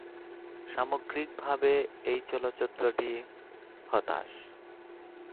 সামগ্রিকভাবে, এই চলচ্চিত্রটি হতাশ।